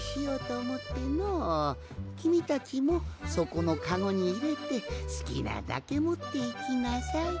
きみたちもそこのカゴにいれてすきなだけもっていきなさい。